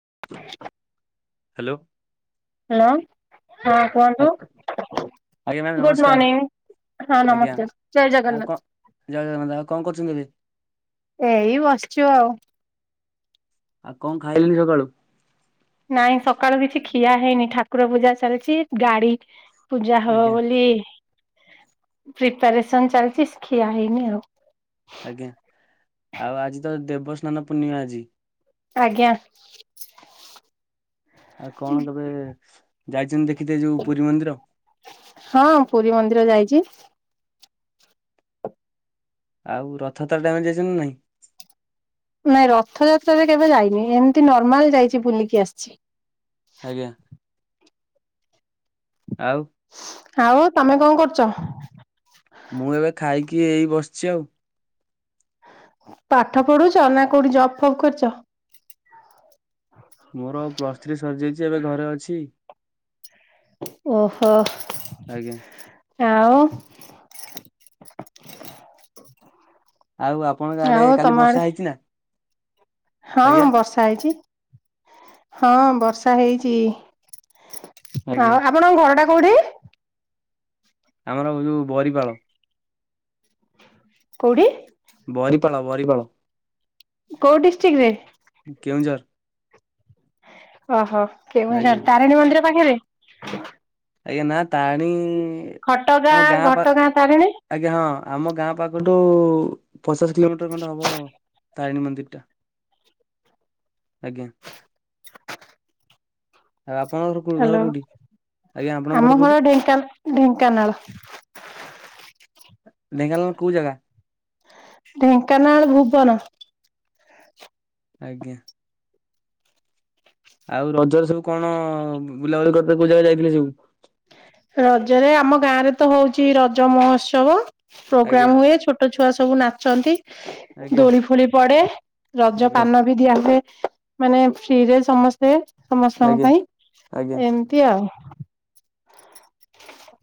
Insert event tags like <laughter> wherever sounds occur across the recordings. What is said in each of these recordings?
<unintelligible> Hello hello ହଁ କୁହନ୍ତୁ ଆଜ୍ଞା ମ୍ୟାମ୍ ଗୁଡ ନମସ୍କାର ମର୍ଣିିଂ ହଁ ଆଜ୍ଞା ନମସ୍କାର, ଜୟ ଆଉ କଣ ଜୟ ଆଉ କଣ କରୁଛନ୍ତି ଏବେ ଜଗନ୍ନାଥ। ଏଇ ବସିଚୁ ଆଉ। ଆ କଣ ଖାଇଲେଣିି ସକାଳୁ? ନାଇଁ ସକାଳୁ କିଛି ଖିଆ ହେଇନି ଠାକୁର ପୂଜା ଚାଲିଚି ଗାଡି ପୂଜା ହବ ଆଜ୍ଞା ବୋଲି ପ୍ରିପାରେଶନ ଚାଲିଚି ଖିଆ ହେଇନି ଆଉ। ଆଜ୍ଞା ଆଉ ଆଜି ତ ଦେବସ୍ନାନ ପୂର୍ଣ୍ଣିମା ଆଜି। ଆଜ୍ଞା। ଆଉ କଣ କେବେ ଯାଇଛନ୍ତି ଦେଖ ଖ ଯୋଉ ପୁରୀ ମନ୍ଦିର ହଁ ପୁରୀ ମନ୍ଦିର ଯାଇଛି। ଆଉ ରଥାତ୍ରା ଟାଇମେ ଯାଇଛନ୍ତି ନାଇଁ? ନାଇଁ ରଥଯାତ୍ରାରେ କେବେ ଯାଇନି ଏମିତି ନର୍ମାଲ ଯାଇଚି ବୁଲିକି ଆସିଚି। ଆଜ୍ଞା। ଆଉ। ଆଉ ତମେ କଣ କରୁଚ? ମୁଁ ଏବେ ଖାଇକି ଏଇ ବସିଚି ଆଉ। ପାଠ ପଢୁଚ ନା, କୋଉଠି ଜବ ଫବ କରିଚ? ମୋରଉ ପ୍ଲସ୍ ଥ୍ରୀ ସରି ଯାଇଚି, ଏବେ ଘରେ ଅଛି। ଓହୋ ଆଜ୍ଞା ଆଉ। <inaudible> ଆଉ ଆପଣଙ୍କ ଆଡେ ଆଉ କାଲି ତମ ଆଡେ ବର୍ଷା ହେଇଚି ନା? ହଁ ଆଜ୍ଞା ବର୍ଷା ହେଇଚି ହଁ ବର୍ଷା ହେଇଚି। ଆଜ୍ଞା ହଁ ଆପଣଙ୍କ ଘର ଟା କୋଉଠି? ଆମର ଯୋଉ ବରିପାଳ। କୋଉଠି? ବରିପାଳ ବରିପଳ। କୋଉ ଡିଷ୍ଟ୍ରିକରେ? କେଉଁଝର ଓହୋ କେ ଆଜ୍ଞା ତାରିଣୀ ମନ୍ଦିର ପାଖରେ। ଆଜ୍ଞା ନା ତାରଣୀ ଆମ ଘଟଗାଁ ଗାଁ ପା ଘଟଗାଁ ତାରିଣୀ। ଆଜ୍ଞା ହଁ। ଆମ ଗାଁ ପାଖଠୁ ପଚାଶ କିଲୋମିଟର ଖଣ୍ଡେ ହବ। ତାରିଣୀ ମନ୍ଦିର ଟା ଆଜ୍ଞା। ଆଉ ଆପଣଙ୍କର ଘର ହ୍ୟାଲୋ କୋଉଠି? ଆଜ୍ଞା ଆପଣଙ୍କ ଘର ଆମ କୋଉଠି? ହଳ ଢେଙ୍କାନା ଢେଙ୍କାନାଳ। ଢେଙ୍କାନାଳ କୋଉ ଜାଗା? ଢେଙ୍କାନାଳ ଭୁବନ। ଆଜ୍ଞା। ଆଉ ରଜରେ ସବୁ କଣ ବୁଲାବୁଲି କର <unintelligible> କୋଉ ଜାଗା ଯାଇଥିଲେ ସବୁ? ରଜରେ ଆମ ଗାଁରେ ତ ହୋଉଚି ରଜ ମହୋତ୍ସବ। ଆଜ୍ଞା ପ୍ରୋଗ୍ରାମ ହୁଏ, ଛୋଟ ଛୁଆ ସବୁ ନାଚନ୍ତି, ଆଜ୍ଞା ଦୋଳି ଫୁଳି ପଡେ ରଜ ପା ଆଜ୍ଞା <unintelligible> ଆମେ ମାନେ ଫ୍ରିରେ ସମସ୍ତେ ସମସ୍ତଙ୍କ ଆଜ୍ଞା ପାଇଁ ଆଜ୍ଞା ଏମତି ଆଉ।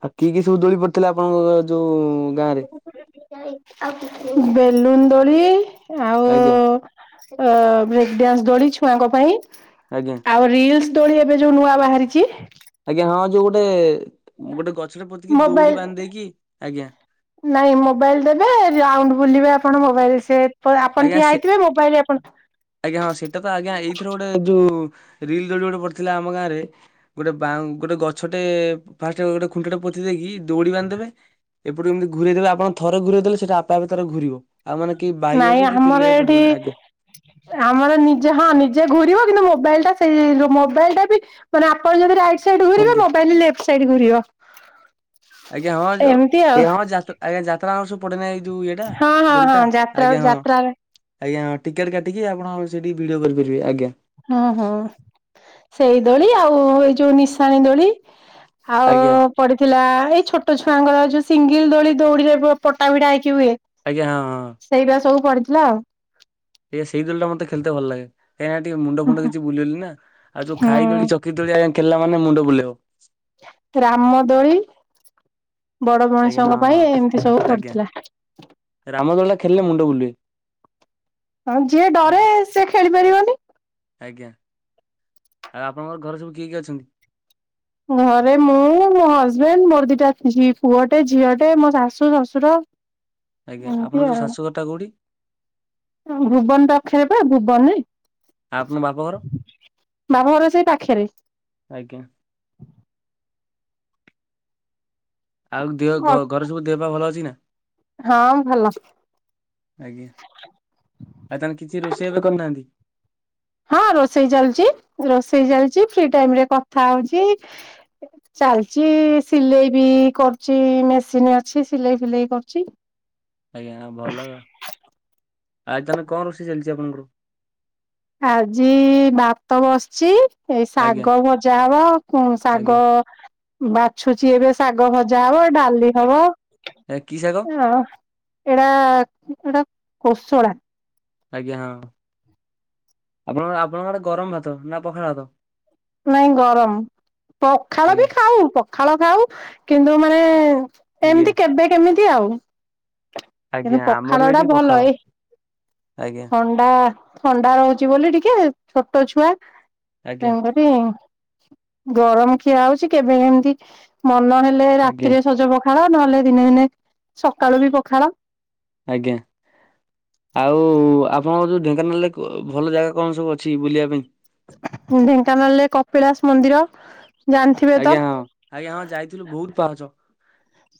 ଆଉ କିଏ କିଏ ସବୁ ଦୋଳି ପଡିଥିଲା ଆପଣଙ୍କ ଯୋଉ ଗାଁ ରେ? ବେଲୁନ ଦୋଳି। ଆଜ୍ଞା। ଅ ବ୍ରେକ୍ ଡ୍ୟାନ୍ସ ଦୋଳି ଛୁଆଙ୍କ ପାଇଁ ଆଜ୍ଞା ଆଉ ରିଲ୍ସ ଦୋଳି ଏବେ ଯୋଉ ନୂଆ ବାହାରିଚି। ଆଜ୍ଞା ହଁ ଯୋଉ ଗୋଟେ ଗୋଟେ ଗଛଟେ ପୋତିକି ଦୌଡି ମୋବାଇଲ ବାନ୍ଧି ଦେଇକି ଆଜ୍ଞା। ନାଇଁ ମୋବାଇଲ ଦେବେ ରାଉଣ୍ଡ ବୁଲିବେ ଆପଣ ମୋବାଇଲ ସେ ଆପଣ ଆଜ୍ଞା ଠିଆ ସେ ହେଇଥିବ ମୋବାଇଲ ଆପଣ ଆଜ୍ଞା ହଁ ସେଇଟା ତ ଆଜ୍ଞା ଏଇଥିର ଗୋଟେ ଯୋଉ ରିଲ ଗୋଟେ ପଡି ଥିଲା ଆମ ଗାଁରେ ଗୋଟେ ବାଉ ଗୋଟେ ଗଛଟେ ଫାଷ୍ଟ ଗୋଟେ ଖୁଣ୍ଟଟେ ପୋତି ଦେଇକି ଦୌଡି ବାନ୍ଧ ଏପଟୁ ଏମିତି ଘୁରେଇଦେବେ ଆପଣ ଥରେ ଘୁରେଇଦେଲେ। ସେଟା ଆପେ ଆପେ ତାର ଘୁରିବ ଆଉ ମାନେ କି ବାଇ ନାଇଁ ଆମର ଏଇଠି, ଆମର ନିଜେ ହଁ ନିଜେ ଘୁରିବ କିନ୍ତୁ ମୋ ମୋବାଇଲ୍ ଟା ସେଇ ମୋବାଇଲ ଟା ବି ମାନେ ଆପଣ ଯଦି ଯା ସେଇଟି ଘୁରିବ, ଆଜ୍ଞା ମୋବାଇଲ ଲେଫ୍ଟ ସାଇଡ୍ ଘୁରିବ। ଆଜ୍ଞା ହଁ, ଯୋଉ ଏମିତି ଆଉ ହଁ, ଯାତ୍ରା ଆଜ୍ଞା ଯାତ୍ରା ଯୋଉ ସବୁ ପଡେ ନେଇ ହଁ- ହଁ- ହଁ ଯାତ୍ରା ଯାତ୍ରାରେ। ଆଜ୍ଞା ଟିକେଟ୍ କାଟିକି, ଆପଣ ସେଠି ଭିଡ଼ିଓ କରିପାରିବେ ଆଜ୍ଞା। ହଁ -ହଁ ସେଇ ଦୋଳି, ଆଉ ଏଇ ଯୋଉ ନିଶାଣି ଦୋଳି। ଆଉ ଆଜ୍ଞା ପଡିଥିଲା। ଏଇ ଛୋଟ ଛୁଆଙ୍କର ଯୋଉ ସିଙ୍ଗଲ ଦୋଳି ଦଉଡିରେ ପଟା ଭିଡା ହେଇ କି ହୁଏ, ଆଜ୍ଞା ହଁ ହଁ। ସେଇଟା ସବୁ ପଡିଥିଲା ଆଉ। ଏ ସେଇ ଦୋଳିଟା ମତେ ଖେଲତେ ଭଲ ଲାଗେ। ଏଇଆ ଟିକେ ମୁଣ୍ଡ ଫୁଣ୍ଡ କିଛି ବୁଲେଇଲି ନା, ଆଉ ଯୋଉ ଖାଇ ତୋଳି ହୁଁ ଚକ୍ରି ତୋଳି ଖେଳିଲା ମାନେ ମୁଣ୍ଡ ବୁଲେଇବ। ରାମଦୋଳି। ବଡ ଆଜ୍ଞା ହଁ ମଣିଷଙ୍କ ହଁ। ପାଇଁ ଏମିତି ସବୁ ଆଜ୍ଞା ପଡିଥିଲା। ରାମଦୋଳିଟା ଖେଳିଲେ ମୁଣ୍ଡ ବୁଲେ ହଁ ଯିଏ ଡରେ ସେ ଖେଳି ପାରିବନି। ଆଜ୍ଞା ଆଉ ଆପଣଙ୍କର ଘରେ ସବୁ କିଏ କିଏ ଅଛନ୍ତି? ଘରେ ମୁଁ ମୋ ହଜବେଣ୍ଡ ମୋର ଦିଟା, ପୁଅଟେ ଝିଅଟେ ମୋ ଶାଶୁ ଶଶୁର। ଆଜ୍ଞା ଆପଣଙ୍କର ଯୋଉ ଶାଶୁଘରଟା କୋଉଠି? ଭୁବନ ପାଖରେ ବା ଭୁବନରେ ଆଉ ଆପଣଙ୍କ ବାପଘର ବାପଘର ସେଇ ପାଖେରେ। ଆଜ୍ଞା ଆଉ ଦିହ, ଘରେ ସବୁ ଦେହ ପାହ ଭଲ ଅଛି ନା? ହଁ ଭଲ। ଆଜ୍ଞା ଆଉ ତାହେଲେ କିଛି ରୋଷେଇ ଏବେ କରୁନାହାନ୍ତି? ହଁ ରୋଷେଇ ଚାଲଛି, ରୋଷେଇ ଚାଲିଛି ଫ୍ରି ଟାଇମ ରେ କଥା ହଉଛି। ଚାଲିଛି ସିଲେଇ ବି କରୁଛି, ମେସିନ୍ ଅଛି ସିଲେଇ ଫିଲେଇ କରୁଛି। ଆଜ୍ଞା ଭଲ ଆଉ। ଆଜି ତମେ କଣ ରୋଷେଇ ଚାଲିଛି ଆପଣଙ୍କର? ଆଜି ଭାତ ବସିଛି ଏଇ ଆଜ୍ଞା ଶାଗ ଭଜା ହବ, ଶାଗ ଆଜ୍ଞା ବାଛୁଛି ଏବେ ଶାଗ ଭଜା ହବ, ଡାଲି ହବ। ଏ କି ଶାଗ ହଁ ଏଟା ଏଟା କୋଶଳା। ଆଜ୍ଞା ହଁ ଆପଣ ଆପଣଙ୍କ ଆଡେ, ଗରମ ଭାତ ନା ପଖାଳ ଭାତ? ନାଇଁ ଗରମ, ପଖାଳ ବି ଆଜ୍ଞା ଖାଉ ପଖାଳ ଖାଉ କିନ୍ତୁ ମାନେ ଆଜ୍ଞା ଏମିତି କେବେ କେମିତି ଆଉ? କିନ୍ତୁ ଆଜ୍ଞା ଆମର ପଖାଳ ବି ଟା ଏଠି ଭଲ, ପଖାଳ। ଏ ଆଜ୍ଞା ଥଣ୍ଡା ଥଣ୍ଡା ରହୁଛି ବୋଲି ଟିକେ, ଛୋଟ ଛୁଆ ଆଜ୍ଞା ତେଣୁକରି ଗରମ ଖିଆ ହଉଛି, କେବେ ଏମିତି ମନ ହେଲେ ଆଜ୍ଞା ରାତିରେ ସଜ ପଖାଳ। ନହେଲେ, ଦିନେ ଦିନେ ସକାଳୁ ବି ପଖାଳ। ଆଜ୍ଞା। ଆଉ ଆପଣଙ୍କର ଯୋଉ ଢେଙ୍କାନାଳରେ, ଭଲ ଜାଗା କଣ ସବୁ ଅଛି ବୁଲିବା ପାଇଁ? ଢେଙ୍କାନାଳରେ କପିଳାସ ମନ୍ଦିର ଜାଣିଥିବେ ତ ଆଜ୍ଞା ହଁ, ଆଜ୍ଞା ହଁ ଯାଇଥିଲୁ ବହୁତ ପାହାଚ।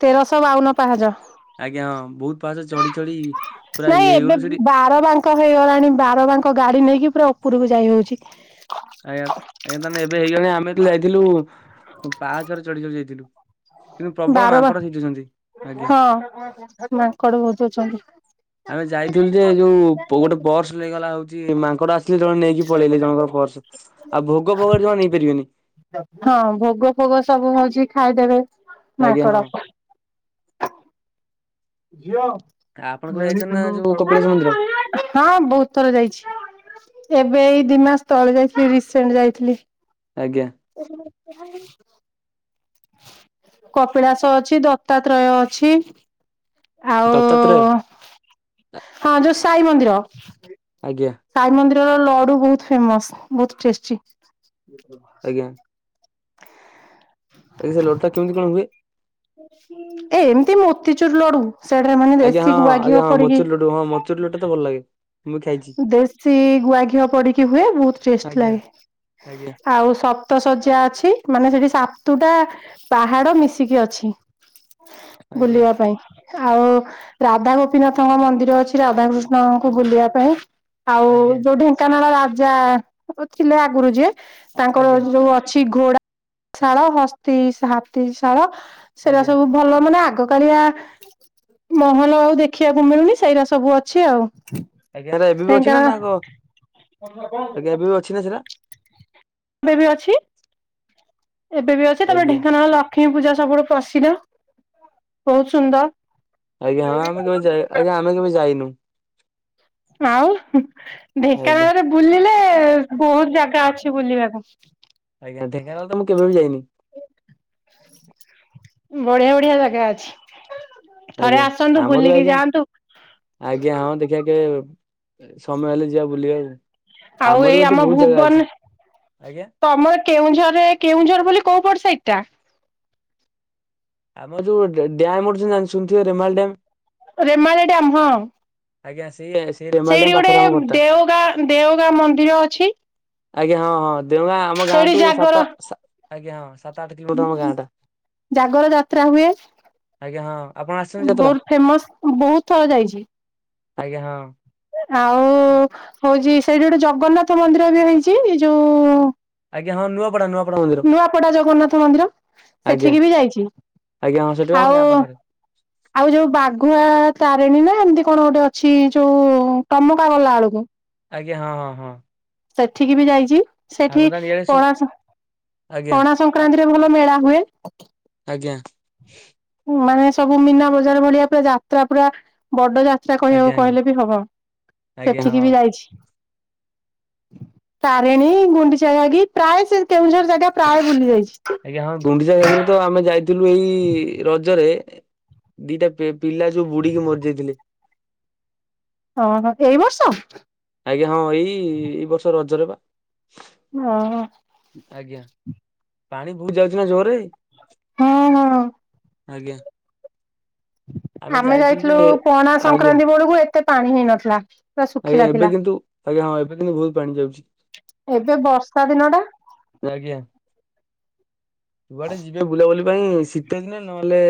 ତେରଶହ ବାଉନ ପାହାଚ। ଆଜ୍ଞା ହଁ ବହୁତ ପାହାଚ ଚଢି ଚଢି ପୁରା ନାଇଁ ଇଏ ଏବେ ହେଇଗଲୁ ସେଠି ବାର ବାଙ୍କ ହେଇଗଲାଣି, ବାର ବାଙ୍କ ଗାଡି ନେଇକି ପୁରା ଓ ଓପରୁକୁ ଯାଇ ହଉଛି। ଆଜ୍ଞା ଆଜ୍ଞା ତାହେଲେ ଏବେ ହେଇଗଲାଣି, ଆମେ ଯେତେବେଳେ ଯାଇଥିଲୁ ପାହାଚରେ ଚଢି ଚଢି ଯାଇଥିଲୁ। କିନ୍ତୁ ପ୍ରବଳ ବାର ବା ମାଙ୍କଡ ଛିଟୁଛନ୍ତି। ଆଜ୍ଞା ହଁ ମାଙ୍କଡ ବହୁତ ଅଛନ୍ତି। ଆମେ ଯାଇଥିଲୁ ଯେ, ଯୋଉ ଗୋଟେ ପର୍ସ ନେଇଗଲା ହଉ ମାଙ୍କଡ ଆସିଲେ, ଜଣେ ନେଇକି ପଳେଇଲେ ଜଣଙ୍କର ପର୍ସ ଆଉ ଭୋଗ ଫୋଗ ଜମା ନେଇପାରିବେନି ହଁ ଭୋଗ ଫୋଗ ସବୁ ହଉଛି। ଖାଇଦେବେ ଆଜ୍ଞା ହଁ ମାଙ୍କଡ। ଝିଅ। ଆପଣ କେବେ ଯାଇଛନ୍ତି ନା ଯୋଉ କପିଳାସ ମନ୍ଦିର? ହଁ ବହୁତ ଥର ଯାଇଛି। ଏବେ ଏଇ ଦି ମାସ ତଳେ ଯାଇଥିଲି ରିସେଣ୍ଟ ଯାଇଥିଲି। ଆଜ୍ଞା କପିଳାସ ଅଛି ଦତ୍ତାତ୍ରୟ ଅଛି। ଆଉ ଦତ୍ତାତ୍ରୟ ଆ। ହଁ ଯୋଉ ସାଇ ମନ୍ଦିର। ଆଜ୍ଞା। ସାଇ ମନ୍ଦିରର ଲଡୁ ବହୁତ ଫେମସ ବହୁତ ଟେଷ୍ଟି। ଏସେ ଲଡୁଟା କେମିତି କଣ ହୁଏ। ଏମିତି ମୋତିଚୁର ଲଡୁ। ସେଇଡ଼ ଆମର ମାନେ ଆଜ୍ଞା ହଁ ଦେଶୀ ହଁ ଆଜ୍ଞା ଗୁଆଘିଅ ହଁ ପଡିକି ମଚୁରି ଲଡ଼ୁ ହଁ ମଚୁରି ଲଡ଼ୁଟା ତ ଭଲ ଲାଗେ ମୁଁ ବି ଖାଇଛି। ଦେଶୀ ଗୁଆ ଘିଅ ପଡିକି ହୁଏ ବହୁତ ଟେଷ୍ଟ ଆଜ୍ଞା ଲାଗେ। ଆଜ୍ଞା ଆଉ ସପ୍ତ ଶଯ୍ୟା ଅଛି, ମାନେ ସେଠି ସାତୁଟା ପାହାଡ ମିଶିକି ଅଛି, ଆଜ୍ଞା ବୁଲିବା ପାଇଁ। ଆଉ ରାଧା ଗୋପିନାଥଙ୍କ ମନ୍ଦିର ଅଛି, ରାଧାକୃଷ୍ଣଙ୍କୁ ବୁଲିବା ପାଇଁ। ଆଉ ଆଜ୍ଞା ଯୋଉ ଢେଙ୍କାନାଳ ରାଜା ଥିଲେ, ଆଗରୁ ଯେ ତାଙ୍କର ଆଜ୍ଞା ଯୋଉ ଅଛି ଘୋଡା ଶାଳ, ହସ୍ତି ହାତୀ ଶାଳ, ସେଟା ଆଜ୍ଞା ସବୁ ଭଲ ମାନେ ଆ ଆଗ କାଳିଆ ମହଲ ଆଉ ଦେଖିବାକୁ ମିଳୁନି ସେଇରା ସବୁ ଅଛି ଆଉ। ଆଜ୍ଞା ହେରା ଏବେ ବି ଅଛି ନା ଢେଙ୍କାନାଳ। ନା କ ଆଜ୍ଞା ଏବେ ବି ଅଛି ନା ସେରା ଏବେ ବି ଅଛି। ଏବେ ବି ଅଛି, ତାପରେ ଆଜ୍ଞା। ଢେଙ୍କାନାଳ ଲକ୍ଷ୍ମୀ ପୂଜା ସବୁଠୁ ପ୍ରସିଦ୍ଧ। ବହୁତ ସୁନ୍ଦର! ଆଜ୍ଞା ହଁ ଆମେ କେବେ, ଆଜ୍ଞା ଆମେ କେବେ ଯାଇନୁ। ଆଉ, ଆଜ୍ଞା ଢେଙ୍କାନାଳରେ ବୁଲିଲେ ବହୁତ ଜାଗା ଅଛି ବୁଲିବାକୁ। ଆଜ୍ଞା ଢେଙ୍କାନାଳ ତ ମୁଁ କେବେ ବି ଯାଇନି। ବଢିଆ ବଢିଆ ଜାଗା ଅଛି। ଥରେ ଆଜ୍ଞା, ଆସନ୍ତୁ ଆମର ବି ବୁଲିକି ଆଜ୍ଞା, ଯାଆନ୍ତୁ ଆଜ୍ଞା ହଁ ଦେଖିବା କେବେ ସମୟ ହେଲେ ଯିବା ବୁଲିବା। ଆଉ ଏଇ ଆମ ଭୁବନ, ଆଜ୍ଞା ତମର କେଉଁଝରରେ, କେଉଁଝର ବୋଲି କୋଉ ପଡ ସାଇଟ ଟା? ଆମର ଯୋଉ ଡ଼ ଡ୍ୟାମ ଅଛି ଜାଣି ଶୁଣିଥିବେ ରେମାଲ ଡ଼୍ୟାମ୍ ରେମାଳ ଡ୍ୟାମ ହଁ। ଆଜ୍ଞା ସେଇ ସେଇ ରେମାଲ ସେଇଠି ଡ୍ୟାମ ଗୋଟେ ପାଖରେ ଆମ ଘରଟା। ଦେଓଗାଁ, ଦେଓଗାଁ ମନ୍ଦିର ଅଛି। ଆଜ୍ଞା ହଁ ହଁ, ଦେଓଗାଁ ଆମ ସେଇଠି ଗାଁଠୁ ସାତ ଜାଗର ସାତ ଆଜ୍ଞା ହଁ ସାତ, ଆଠ କିଲୋମିଟର ଆମ ଗାଁ ଟ। ଜାଗର ଯାତ୍ରା ହୁଏ। ଆଜ୍ଞା ହଁ ଆପଣ ଆସିଛନ୍ତି ଯାତ୍ରା ବହୁତ ଫେମସ ବହୁତ ଥର ଯାଇଛି। ଆଜ୍ଞା ହଁ। ଆଉ ହଉଛି, ସେଇଠି ଗୋଟେ ଜଗନ୍ନାଥ ମନ୍ଦିର ବି ହେଇଛି ଯୋଉ ଆଜ୍ଞାଁ ହଁ ନୂଆପଡ଼ା। ନୂଆପଡା ଜଗନ୍ନାଥ ମନ୍ଦିର ଆଜ୍ଞା ସେଠିକି ବି ଯାଇଛି। ଆଜ୍ଞା ହଁ ସେଠି ଆମ ଆଉ, ଗାଁ ପାଖରେ। ଆଉ ଯୋଉ ବାଘୁଆ ତାରିଣୀ ନା ଏମତି କଣ ଗୋଟେ ଅଛି, ଯୋଉ ତମକା ଗଲା ବେଳକୁ। ଆଜ୍ଞା ହଁ ହଁ ହଁ। ସେଠିକି ବି ଯାଇଛି। ସେଠି ଆପଣ ତାହେଲେ ଇଆଡେ ସବୁ ପଣା ସ, ଆଜ୍ଞା ପଣା ସଂକ୍ରାନ୍ତିରେ ଭଲ ମେଳା ହୁଏ। ହୁଁ <inaudible> ମାନେ ସବୁ ମୀନା ବଜାର ଭଳିଆ ପୁରା ଯାତ୍ରା, ପୁରା ବଡ ଯା ତ୍ରା କହିବାକୁ ଆଜ୍ଞା ଆଜ୍ଞା। କହିଲେ ବି ହବ ଆଜ୍ଞା ସେଠିକି ହଁ ବି ଯାଇଛି। ତାରିଣୀ, ଗୁଣ୍ଡିଚାଗି ପ୍ରାୟ ସେ କେଉଁଝର ଜାଗା ପ୍ରାୟ ବୁଲି ଯାଇଛି। ଆଜ୍ଞା ହଁ, ଗୁଣ୍ଡିଚାଗିରେ ଆମେ ଯାଇଥି ଥିଲୁ ଏଇ ରଜରେ ଦିଟା ପି ପିଲା ଯୋଉ ବୁଡିକି ମରି ଯାଇଥିଲେ। <inaudible> ହଁ, ହଁ ଏଇ ବର୍ଷ? ଆଜ୍ଞା ହଁ, ଏଇ ଏଇ ବର୍ଷ ରଜରେ ପା। ଓ ହୋ। ଆଜ୍ଞା ପାଣି ବହୁତ ଯାଉଛି ନା ଜୋରରେ। ହଁ ହଁ ଆଜ୍ଞା। ଆମେ ଯାଇଥିଲୁ ପଣା ଆଜ୍ଞା। ସଂକ୍ରାନ୍ତି ବେଳକୁ ଏତେ ପାଣି ହେଇନଥିଲା। ପୁରା ଆଜ୍ଞା, ଶୁଖିଲା ଏବେ ଥିଲା କିନ୍ତୁ ଆଜ୍ଞା ହଁ, ଏବେ କିନ୍ତୁ ବହୁତ ପାଣି ଯାଉଛି। ଏବେ ବର୍ଷା ଦିନ ଟା। ଯୁଆଡେ ଯିବେ ବୁଲାବୁଲି ପାଇଁ ଶୀତ ଦିନେ ନହେଲେ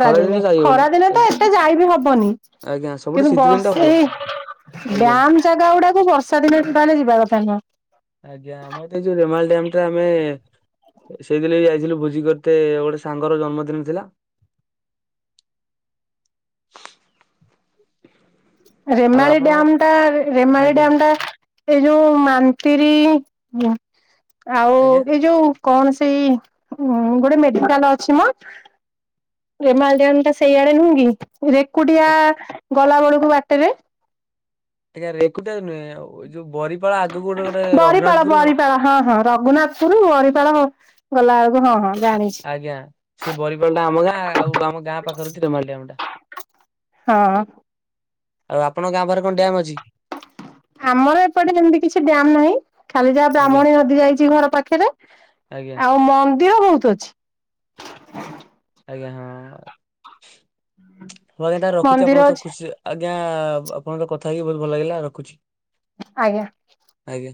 ଖରା ଦିନେ ଯାଇ ହବନି। ଖରାଦିନେ ତ ଏତେ ଯାଇ ବିି ହବନି। ଆଜ୍ଞା ସବୁଠୁ କିନ୍ତୁ ଶୀତ ଦିନଟା ବର୍ଷା, ଭଲ ଏଇ ଆଜ୍ଞା। ଡ୍ୟାମ ଜାଗା ଗୁଡାକୁ ବର୍ଷା ଦିନେ ତାହେଲେ ଯିବା କଥା ନୁହଁ। ଆଜ୍ଞା, ଆମେ ତ ଏଇ ଯୋଉ ରେମାଳ ଡ଼୍ୟାମ ଟା ଆମେ ସେଇଦିନ ବି ଯାଇଥିଲୁ ଭୋଜି କରିତେ ଗୋଟେ ସାଙ୍ଗର ଜନ୍ମଦିନ ଥିଲା। <inaudible> ଆଉ ରେମାଳ ଆପଣଙ୍କ ଡ୍ୟାମ ଟା ରେମାଳି ଆଜ୍ଞା ଡ୍ୟାମ ଟା ଏଇ ଯୋଉ ମାଣତିରୀ ଇଆ ଆଉ ଆଜ୍ଞା। ଏଇ ଯୋଉ କଣ ସେଇ ଗୋଟେ ମେଡିକାଲ ଅଛି ମ? ରେମାଳ ଡ୍ୟାମଟା ସେଇଆଡେ ନୁହଁ କି? ରେକୁଟିଆ ଗଲା ବେଳକୁ ବାଟରେ। ଆଜ୍ଞା ରେକୁଟିଆରେ ନୁହେଁ ଆଉ ଯୋ ବରିପାଳ ବରିପାଳ ହଁ ହଁ ରଘୁନାଥପୁରୁ ବରିପାଳ ଗଲାବେଳ ଆ ଆଜ୍ଞା ସେ ବରିପାଳ ଟା ଆମ ଗାଁ ଆଉ ଆମ ଗାଁ ପାଖରେ <unintelligible> ଳଡେମ୍ ଟା। <inaudible> ହଁ। ଆଉ ଆପ କାରକଣ ଡ୍ୟାମ୍ ଅଛି? ଆମର ଏପଟେ ସେମିତି କିଛି ଡ୍ୟାମ ନାହିଁ ଖାଲି ଯାହା ଆଜ୍ଞା ବ୍ରାହ୍ମଣୀ ନଦୀ ଯାଇଛି ଘର ପାଖରେ। ଆଜ୍ଞା ଆଉ ମନ୍ଦିର ବହୁତ ଅଛି। ଆଜ୍ଞା ହଁ ମୁଁ ଆଜ୍ଞା ତା ରଖୁଛି ମନ୍ଦିର ଆପଣଙ୍କ ତ ଅଛି ଖୁସି ଆଜ୍ଞା ଆଜ୍ଞା ଆପଣଙ୍କର କଥା ହେଇକି ବହୁତ ଭଲ ଲାଗିଲା ରଖୁଛି। ଆଜ୍ଞା। ଆଜ୍ଞା।